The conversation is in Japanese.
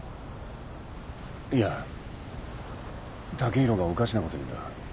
いや剛洋がおかしなこと言うんだ。